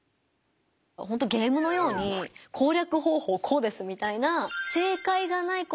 ほんとゲームのように「攻略方法こうです」みたいなな気がしますね。